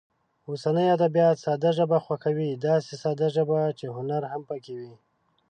اوسني ادبیات ساده ژبه خوښوي، داسې ساده ژبه چې هنر هم پکې وي.